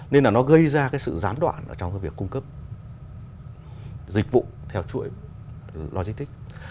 nên là nó gây ra cái sự gián đoạn trong cái việc cung cấp dịch vụ theo chuỗi logistics